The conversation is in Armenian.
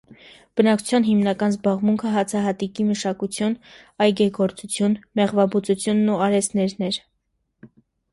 Բնակչության հիմնական զբաղմունքը հացահատիկի մշակություն, այգեգործություն, մեղվաբուծությունն ու արհեստներն էր։